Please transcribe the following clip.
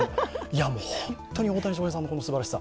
本当に大谷翔平さんのすばらしさ！